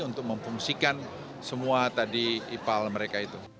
untuk memfungsikan semua tadi ipal mereka itu